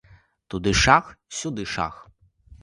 Туды шах, сюды шах.